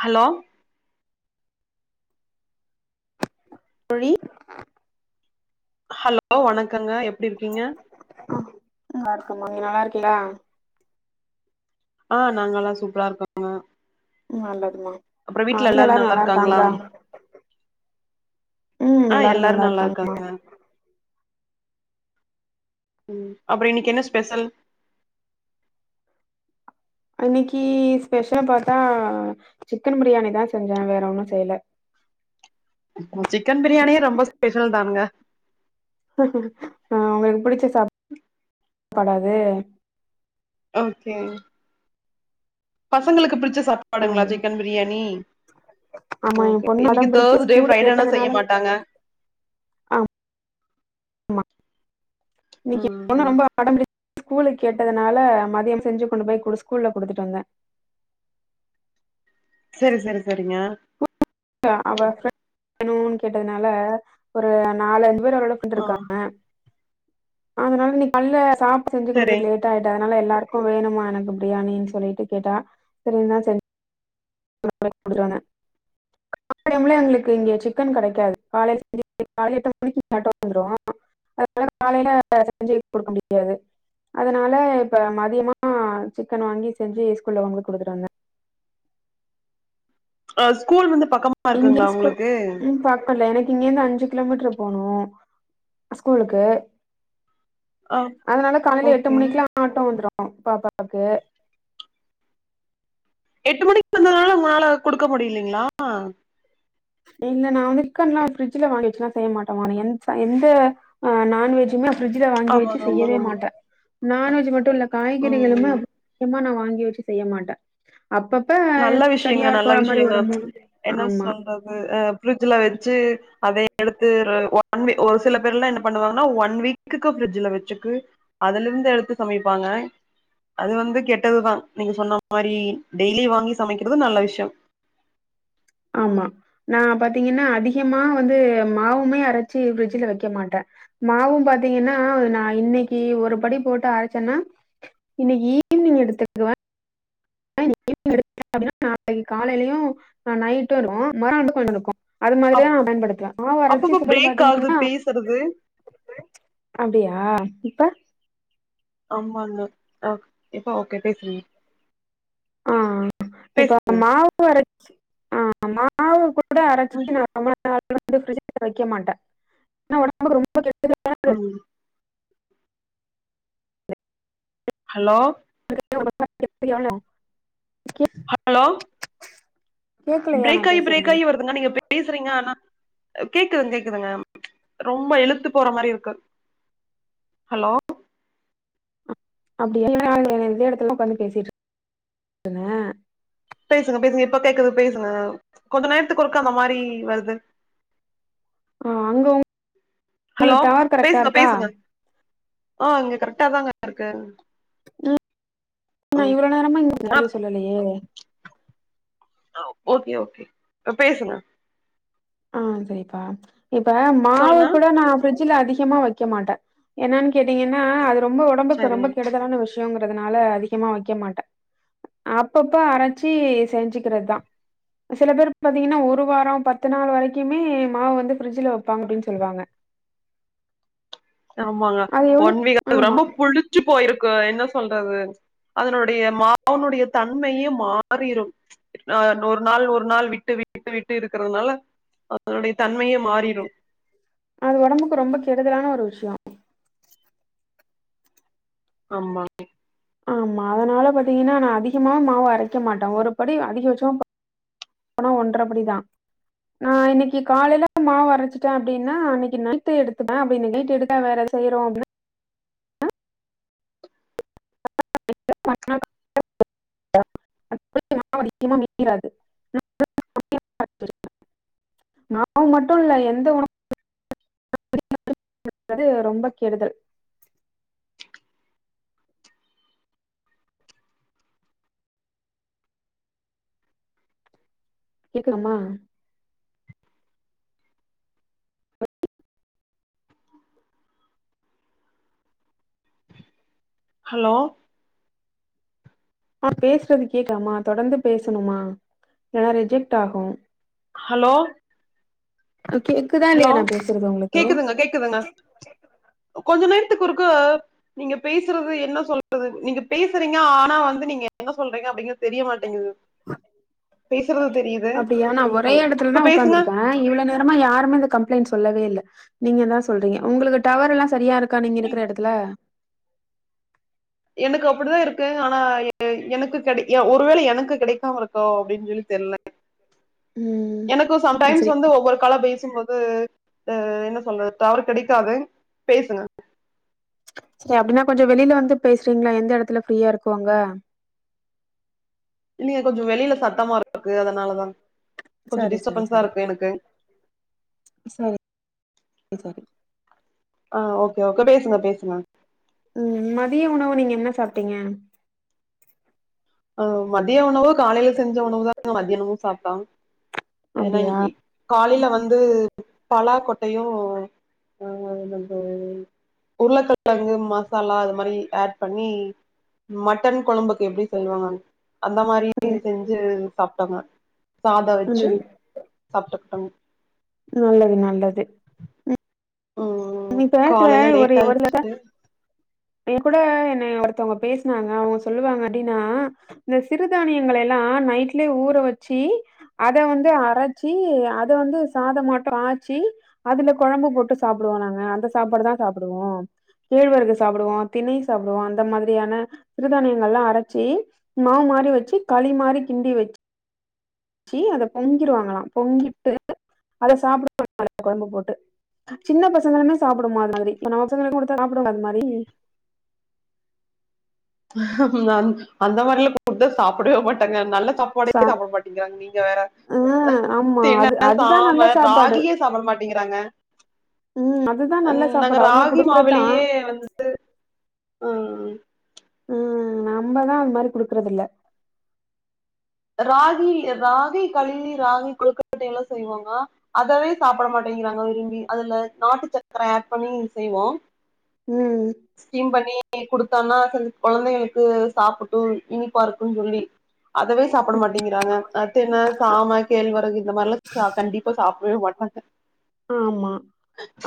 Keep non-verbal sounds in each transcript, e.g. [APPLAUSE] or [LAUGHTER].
Hello தோழி hello வணக்கங்க எப்டி இருக்கீங்க அ நல்லா இருக்கமா நீங்க நல்லா இருக்கீளா ஆ நாங்க எல்லா சூப்பரா இருக்கங்க நல்லதுமா ஆ வீட்ல எல்லாரு நல்லா இருக்காங்களா ம் எல்லாரு நல்லா இருக்காங்கம்மா ம் அப்பற இன்னைக்கு என்ன ஸ்பெஷல் அன்னைக்கு ஸ்பெஷல் பாத்தா சிக்கன் பிரியாணி தா செஞ்ச வேற ஒன்னு செய்யல சிக்கன் பிரியாணியே ரொம்ப ஸ்பெஷல் தானுங்க அ உங்களுக்கு பிடிச்ச சாப்பாடா அது ஓகே பசங்களுக்கு பிடிச்ச சாப்பாடுங்களா ம் சிக்கன் பிரியாணி ஆமா எ ஓகே பொண்ணு இன்னைக்கு அடம் பிடிச்சு தேர்ஸ்டே ஸ்கூல ஃப்ரைடேனா செய்ய கேட்டதுனால மாட்டாங்க ஆமா இன்னைக்கு எ ம் பொண்ணு ம் ரொம்ப அடம்புடிச் ஸ்கூலுக்கு கேட்டதுனால மதியம் செஞ்சு கொண்டு போய் குடு ஸ்கூல்ல குடுத்துட்டு வந்தே செரி செரி செரிங்க அவ ப்ரண்ட் வேணும்னு கேட்டதுனால ஒரு நாலு அஞ்சு பேர் அவளோட ஆ இருக்காங்க அதனால நீ காலேல சாப்ட்டு செஞ்சு செரி குடுக்கறதுக்கு லேட் ட்டா ஆயிட்டதனால எல்லாருக்கு வேணுமா எனக்கு பிரியாணின் சொல்லிட்டு கேட்டா சரின்னா செஞ் ஸ்கூலுக்கு போய் குடுத்துட்டு வந்தே அப்புறம்லே எங்களுக்கு இங்க சிக்கன் கெடைக்காது காலையில காலையில எட்டு மணிக்கு ஆட்டோ வந்துரு அதால காலையில செஞ்சு குடுக்க முடியாது அதுனால இப்ப மதியமா சிக்கன் வாங்கி செஞ்சு ஸ்கூல்ல கொண்டு போய் குடுத்துட்டு வந்தே ஆ ஸ்கூல் வந்து பக்க இங்கருந் ஸ்கூல் ம் பக் க இல்ல எனக்கு இங்கெருந்து அஞ்சு கிலோமீட்டர் போனு ஸ்கூலுக்கு ஆ அதனால காலையில எட்டு ஓகே மணிக்குல்லா ஆட்டோ வந்துரு பாப்பாவுக்கு எட்டு மணிக்கு தந்ததுனால உங்கனால குடுக்க முடியலலைங்களா இல்ல நா வந்து சிக்கன்ல்லா பிரிட்ஜில வாங்கி வச்சுன்னா செய்ய மாட்டேம்மா எந்த எந்த ஆ நான்வெஜ்ஜுமே பிரிட்ஜில வாங்கி வச்சு ஆமாங்க ஆமாங்க செய்யவே ஆமா மாட்டே நான்வெஜ் மட்டு இல்ல காய்கறிகளுமே ம் முக்கியமா நா வாங்கி வச்சு செய்ய மாட்டே அப்பப்ப நல்ல விஷயங்க சரியா நல்ல போற மாரி விஷயங்க ஒரு மூணு என்ன ஆமா சொல்ற து ப்ரிட்ஜில வச்சு அதே எடு த்து ஒரு சில பேர்லா என்ன பண்ணுவாங்கன்னா ஒன் வீக்குக்கு பிரிட்ஜில வச்சுக்கு அதுலருந்து எடுத்து சமைப்பாங்க அது வந்து கெட்டதுதா நீங்க சொன்ன மாரி டெய்லி வாங்கி சமைக்கிறது நல்ல விஷ்யொ ஆமா நா பாத்தீங்கன்னா அதிகமா வந்து மாவுமே அரச்சு பிரிட்ஜ்ல வைக்க மாட்டே மாவும் பாத்தீங்கன்னா நா இன்னைக்கு ஒரு படி போட்டு அரச்சென்னா இன்னைக்கு ஈவினிங் எடுத்துக்குவே ஈவினிங் எடுக்க அப்டின்னா நாளைக்கு காலையிலயு நைட்டு இருக்கும் மறுநாள் கொஞ்சருக்கு அது மாரிதா அப் நா பயன்படுத்துவே மாவு அறச்சி அப்பப்ப சிலர பிரேக் ஆகுது பாத்தீங்கன்னா பேசுறது அப்டியா இப்ப ஆமாங்க அ இப்ப ஓகே பேசுறீங்க ஆ இப்ப பேசுங்க மாவு அரச்சி ஆ மாவு கூட அரச்சி பேசு நா சமா நா வந்து ஃப்ரிட்ஜ்ல வைக்க மாட்டே ஏனா ஒடம்புக்கு ரொம்ப கெடுதியான ம் ஹலோ [INAUDIBLE] கே ஹலோ கேக்கலையா பிரேக் நான் ஆகி பிரேக் பேசுறது ஆகி வருதுங்க நீங்க பேசுறீங்க ஆனா கேக்குதுங்க கேக்குதுங்க ரொம்ப இழுத்து போற மாரி இருக்கு ஹலோ அப்டியா இதே எடத்துல உக்காந்து பேசிட்டு இருந்தே பேசுங்க பேசுங்க இப்ப கேக்குது பேசுங்க கொஞ்ச நேரத்துக்கு ஒருக்க அந்த மாரி வருது ஆ அங்க உங் ஹலோ உங்களுக்கு டவர் கரெக்டா பேசுங்க இருக்கா பேசுங்க ஆ இங்க கரெக்ட்டா தாங்க இருக்கு ம் நா ம் இவ்ளோ. நேரமா இன்னு அப் பதில் சொல்லலையே ஓகே ஓகே அ பேசுங்க ஆ சரிப்பா இப்ப மாவு சொல்லுங்க கூட நா ஃப்ரிட்ஜ் ல அதிகமா வக்க மாட்ட என்னான் கேட்டீங்கனா அது ரொம்ப உடம்புக்கு சரி ரொம்ப கெடு க்கலான விஷயம்ங்குறதுனால அதிகமா வக்க மாட்ட அப்பப்ப அரச்சி செஞ்சுக்குறது தா சில பேர் பாத்தீங்கனா ஒரு வார பத் து நாள் வரைக்குமே மாவு வந்து ஃப்ரிட்ஜ்ல வப்ப அப்டின் சொல்லுவாங்க ஆமாங்க அது எவ்ளோ ஒன் வீக் அது ஆமா ரொம்ப புளிச்சு போயிருக்கு என்ன சொல்றது அதனுடைய மாவுடய தன்மையே மாறிரு ஒரு நாள் ஒரு நாள் விட்டு விட்டு விட்டு இருக்குறனால அதனுடய தன்மையே மாறிடு அது உடம்புக்கு ரொம்ப கெடுதலான ஒரு விஷய ஆமா ஆமா அதனால பாத்தீங்கனா நா அதிகமாவு மாவு அரைக்க மாட்ட ஒரு படி அதிகபட்ச ஆனா ஒன்றபடிதா நா இன்னைக்கு காலைல மாவு அரச்சிட்ட அப்டினா அன்னைக்கு நைட்டு எடுத்துப்ப அப்டி இன்னைக்கு நைட்டு எடுக்க வேற செய்றோ அப்டினா [UNINTELLIGIBLE] மாவு மட்டு இல்ல எந்த உணவு [UNINTELLIGIBLE] து ரொம்ப கெடுதல் கேக்கனுமா ஹலோ ஆ பேசுறது கேட்காம்மா தொடர்ந்து பேசணுமா இல்லனா ரிஜெக்ட் ஆகு ஹலோ கேக்குதா ஹலோ இல்லையா நா பேசுறது உங்களுக்கு கேக்குதுங்க கேக்குதுங்க கொஞ்சோ நேரத்துக்கு ஒருக்க நீங்க பேசுறது என்ன சொல்றது நீங்க பேசுறீங்க ஆனா வந்து நீங்க என்ன சொல்றீங்க அப்படிங்கது தெரியமாட்டேங்குது அப்டியா நா ஒரே ஹல் இடத்துல இப்ப தா பேசுங்க உக்காந்துருக்க இவ்ள நேர இந்த மாரி யாருமே இந்த கம்ப்ளைண்ட் சொல்லவே இல்ல நீங்க தா சொல்றீங்க உங்களுக்கு டவர் எல்லா சரியா இருக்கா நீங்க இருக்ற இடத் துல எனக்கு அப்டிதா இருக்கு ஆனா எனக்கு கட ஒருவேள எனக்கு கெடைக்காம இருக்கா அப்டின் சொல்லி தெர்ல ம் எனக்கு சம்டைம்ஸ் சரி வந்து ஒவ்வொரு கால பேசுபோது ஆ என்ன சொல்றது டவரு கெடைக்காது பேசுங்க சரி அப்டின்னா கொஞ்சோ வெளில வந்து பேசுறீங்ளா எந்த இடத்துல ஃப்ரீயா இருக்கோ அங்க இல்லயே கொஞ்சோ வெளில சத்தமா இருக்கு அதனாலதா கொஞ்சோ சரி சரி டிஸ்டபன்ஸா சரி இருக்கு எனக்கு சரி சரி ஆ ஓகே ஓகே ட பேசுங்க பேசுங்க ம் மதிய உணவு நீங்க என்ன சாப்டீங்க ஓ மதிய உணவு காலைல செஞ்ச உணவுதா மதியானமு சாப்ட்டோ ஏனா அப்டியா இன்னைக்கு காலைல வந்து பலா கொட்டையு அ வந்து உருளக்கிழங்கு மசாலா அது மாரி ஆட் பண்ணி மட்டன் குழம்புக்கு எப்டி செய்வாங்க அந்த மாரி ம் செஞ்சு சாப்ட்டாங்க சாதோ வச்சு ம் சாப்பட்டுக்கிட்டோங் நல்லது நல்லது ம் நீ பேசுற காலையில ஒரு லேட் ஒரு தட ஆயிடுச்சு என் கூட என்னய ஒருத்தவங்க பேசுனாங்க அவுங்க சொல்லுவாங்க எப்டின்னா இந்த சிறுதானியங்களை எல்லா நைட்லயே ஊற வச்சீ அத வந்து அரச்சி அத வந்து சாத மாட்டோ ஆச்சி அதுல கொழம்பு போட்டு சாப்டுவோ நாங்க அந்த சாப்பாடு தா சாப்பிடுவோ கேழ்வரகு சாப்பிடுவோ திணை சாப்டுவோ அந்த மாதிரியான சிறுதானியங்கல்லா அரச்சி மாவு மாறி வச்சி களி மாறி கிண்டி வெச் ச்சி அத பொங்கிடுவாங்களா பொங்கிட்டு அத சாப்பிடுவாங்களா கொழம்பு போட்டு சின்ன பசங்களுமே சாப்புடுமா அது மாதிரி ஏ பசங்களுக்கு கொடுத்தா சாப்புடுங்கலா அதுமாரி அந்த மாதிரில்லா குடுத்தா சாப்பிடவே மாட்டாங்க நல்லா சாப் பாடே சா சாப்பிட மாட்டேங்கிறாங்க நீங்க வேற ஆ ஆமா தின அது அதுதா நல்ல சாம சாப்பாடு ராகியே சாப்பிட மாட் அப்டிங்கிறாங்க ம் அதுதா நல்ல நாங்க சாப்பாடு அவங்க ராகி குடுக்கறதா மாவுளியே வந்து அ அ ம் நம்பதா அது மாரி குடுக்குறது இல்ல ராகி ராகை கலி ராகை குழுக்கட்டை எல்லா செய்வாங்க அதவே சாப்பிட மாட்டேங்கிறாங்க விரும்பி அதுல நாட்டு சக்கர ஆட் பண்ணி செய்வோ ம் ஸ்டீம் பண்ணி குடுத்தான்னா கொழந்தைங்களுக்கு சாப்புட்டு இனிப்பா இருக்குனு சொல்லி அதவே சாப்பிட மாட்டேங்கிறாங்க தென சாம கேழ்வரகு இந்த மாரி எல்லா கண்டிப்பா சாப்பிடவே மாட்டாங்க [INAUDIBLE] ஆமா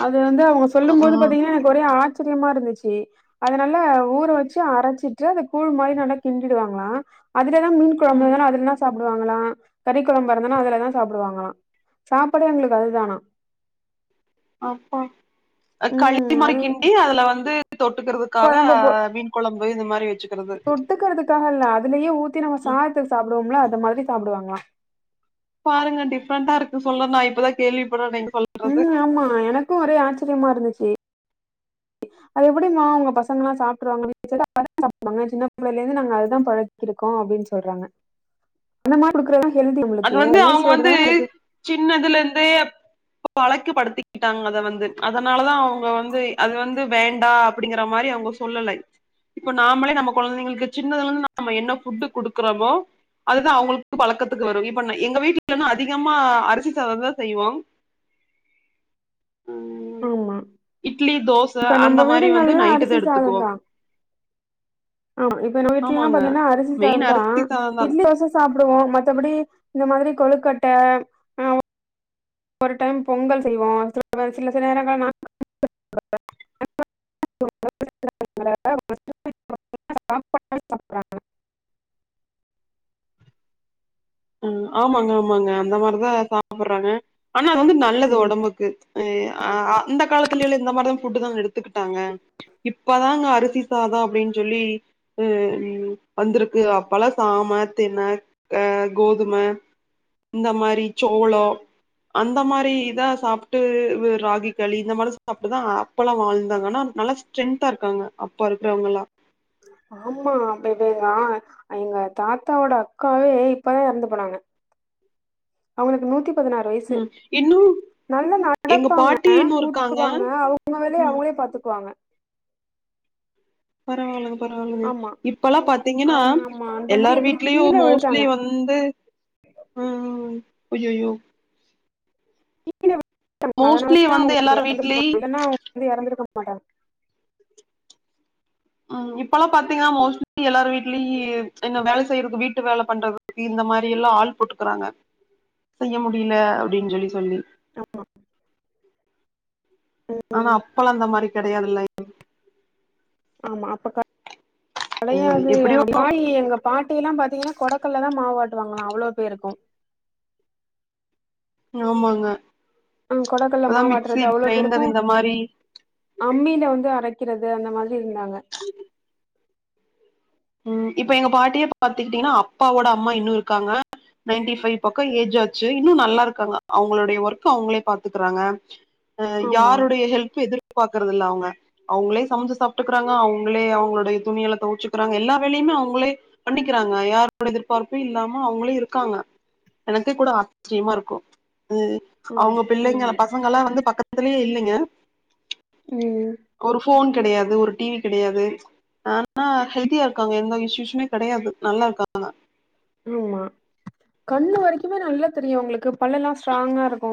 அது வந்து அவுங்க சொல்லு போது பாத்தீங்கன்னா எனக்கு ஒரே ஆச்சரியமா இருந்துச்சி அதனால ஊற வச்சு அரச்சிட்டு அத கூழ் மாரி நல்லா கிண்டிடுவாங்களா அதுலேதா மீன் கொழம்பு ம் [UNINTELLIGIBLE] சாப்பிடுவாங்களா கறி கொழம்பரதனா அதுலதா சாப்படுவாங்களா சாப்பாடு எங்களுக்கு அதுதானா அப்ப களி ம் மாறி அது கிண்டி அதுல வந்து கொழம்ப போ தொட்டுக்கிறதுக்காக கொலம்பு இந்த மாரி வச்சுக்கிறது தொட்டுகறத்துக்காக இல்ல அதுலேயே ஊத்தி நம்ம சாதத்துக்கு சாப்பிடுவோம்ல அத மாரி சாப்டுவாங்ளா பாருங்க டிஃப்ரெண்டா இருக்கு சொல்லன்னா நா இப்பதா கேள்விபட்றனே ம் ஆமா எனக்கு ஒரே ஆச்சரியமா இருந்துச்சி அது எப்டிமா உங்க பசங்கலா சாப்ட்ருவாங்க [UNINTELLIGIBLE] சின்ன பிள்ளையில இருந்து நாங்க அதா பழக் கிருக்கோ அப்டின் சொல்றாங்க [INAUDIBLE] அந்த மாரி கொடுக்குறதா ஹெல்தி அது அவுங்ளுக்கு வந்து அவங்க எல்லைஸ்ஸோரு வந்து தா [UNINTELLIGIBLE] சின்னதுல இருந்தே அப் பழக்கு படுத்திக்கிட்டாங்க அத வந்து அதனாலதா அவுங்க வந்து அது வந்து வேண்டா அப்டிங்கிற மாரி அவுங்க சொல்லலை இப்ப நாமளே நம்ம கொழந்தைங்களுக்கு சின்னதுல இருந்து நாம என்ன ஃபுட்டு் குடுக்குறோமோ அதுதா அவுங்களுக்கு பழக்கத் துக்கு வரு இப்ப எங்க வீட்லன்ன அதிகமா அரிசி சாதோ தா செய்வோ ம் ஆமா இட்லி தோச இப்ப அந்த நம்ப மாரி வந்து வீடுங்கல்லா நைட்டு தா அரிசி சாதோ எடுத்துக்குவோ தா ஆமா இப்ப நம்ம வீட்ல எல்லா ஆமாங்க பாத்தீங்கன்னா அரிசி சாதோ மெயின் தா அரிசி சாதந்தா இட்லி தோச சாப்பிடுவோ மத்தபடி இந்த மாதிரி கொழுக்கட்ட ஆ ஒரு டைம் பொங்கல் செய்வோ [INAUDIBLE] சில சில நேரங்கள் நா சாப்டுறாங்க. ஆ ஆமாங்க ஆமாங்க அந்த மாரிதா [INAUDIBLE] ஆனா அது வந்து நல்லது ஒடம்புக்கு ஐய்ய ஆ அந்த காலத்திலலா இந்த மாரிதா ஃபுட்டுதாங்க எடுத்துக்கிட்டாங்க இப்பதாங்க அரிசி சாதோ அப்டின் சொல்லி அ வந்துருக்கு அப்பெல்லா சாம தின அ கோதும இந்த மாரி சோளோ அந்த மாரி இதா சாப்ட்டு ராகி களி இந்த மாரி சாப்ட்டுதா அப் பெல்லா வாழ்ந்தாங்க ஆனா நல்லா ஸ்ட்ரெந்தா இருக்காங்க அப்ப இருக்றவங்கலா ஆமா அந்த இது தா எங்க தாத்தாவோட அக்காவே இப்பதா எறந்து போனாங்க அவுங்களுக்கு நூத்தி பதினாறு வயசு இன்னுமு நல்லா நடப்பாங்க கூட்டுவாங்க அவங்க வேலய ம் அவங்களே பாத்துக்குவாங்க பரவாலங் பரவாலங்க ஆமா இப்பெல்லா பாத்தீங்கன்னா அவங்க ஆமா அந்த மாதிரி எல்லாரு இருந்துட்டு வீட்லயு கீழே மோஸ்ட்லி விழுந்தாங்க வந் இந்தே ம் அய்யயோ கீழ [INAUDIBLE] அதனால மோஸ்ட்லி தா வந்து அவங்க எல்லார் எறந்து வீட்லி போனா இல்லன்னா அவங்க வந்து எறந்துருக்க மாட்டாங்க ம் இப்பல்லா பாத்தீங்கனா மோஸ்ட்லி எல்லாரு வீட்லயி என்ன வேல செய்யறது வீட்டு வேல பண்றது இந்த மாரி எல்லா ஆள் போட்டுக்குறாங்க செய்ய முடில அப்டின் சொல்லி சொல்லி ஆமா ஆனா அப்பெல்லா அந்த மாரி கெடையாதுல்ல ஆமா அப்ப கெடையாது எப்டியோ மாயி எங்க பாட்டியெல்லா பாத்தீங்கனா கொடக்கல்ல தா மாவாட்டுவாங்லா அவ்ளோ பேருக்கு ஆமாங்க ஆ கொடகல்ல இப்பதா மிக்சி மாவாட்றது அவ்ளோ பேருக்கு கிரைண்டர் இந்த மாரி அம்மில வந்து அரைக்கிறது அந்த மாரி இருந்தாங்க ம் இப்ப எங்க பாட்டியே பாத்துக்கிட்டீங்னா அப்பாவோட அம்மா இன்னு இருக்காங்க நைன்டி ஃபைவ் பக்கோ ஏஜ் ஆச்சு இன்னு நல்லாருக்காங்க அவங்களுடைய ஒர்க் அவுங்ளே பாத்துக்குறாங்க அ ஆமா யாருடைய ஹெல்ப் எதிர் பாக்கறத இல்ல அவுங்க அவுங்ளே சமஞ்சு சாப்ட்டுக்கறாங்க அவுங்ளே அவுங்ளுடைய துணியலா தொவச்சி அப்றோ அங்க எல்லா வேலயுமே அவுங்ளே பண்ணிக்கிறாங்க யாரோட எதிர்பார்ப்பு இல்லாம அவுங்ளே இருக்காங்க எனக்கே கூட [INAUDIBLE] இருக்கு ம் ஆமா அவுங்க பிள்ளைங்க உம் பசங்க எல்லா வந்து பக்கத்துலயே இல்லேங்க ம் ஒரு ஃபோன் கெடையாது ஒரு டிவி கெடையாது ஆனா ஹெல் த்தியா இருக்காங்க எந்த இஷ்யுஸ்மே கெடையாது நல்லா இருக்காங்க இல்லங்க கண்ணு வரைக்குமே நல்லா தெரியு அவுங்ளுக்கு பல்லெல்லா ஸ்ட்ராங்கா இருக்கு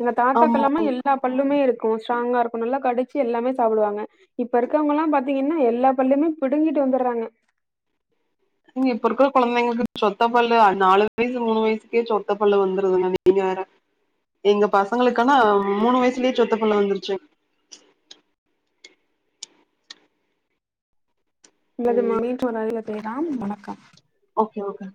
எங்க ஆமா தாத்தாக்கெல்லாமே எல்லா பல்லுமே இருக்கு ஸ்ட்ராங்கா இருக்கு நல்லா கடிச்சி எல்லாமே சாப்டுவாங்க இப்ப இருக்கறவங்கலா பாத்தீங்கனா எல்லா பல்லுமே பிடுங்கிட்டு வந்தர்றாங்க நீங்க இப்ப இருக்க கொழந்தைங்களுக்கு சொத்த பல்லு நாலு வயசு மூணு வயசுக்கே சொத்த பல்லு வந்துருதுங்க நீங்க வேற எங்க பசங்களுகானா மூணு வயசுலயே சொத்த பல்லு வந்துருச்சு இல்ல இது ம் [UNINTELLIGIBLE] வணக்கம் ஓகே ஓகே